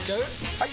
・はい！